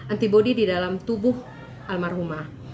antibody di dalam tubuh almarhumah